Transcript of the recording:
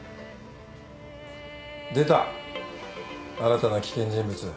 出た新たな危険人物。